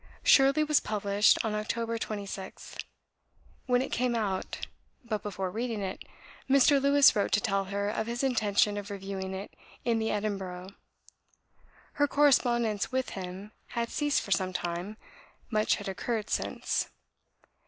"Shirley" was published on October 26th. When it came out, but before reading it, Mr. Lewes wrote to tell her of his intention of reviewing it in the Edinburgh. Her correspondence with him had ceased for some time: much had occurred since.